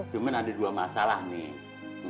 cuma ada dua masalah nih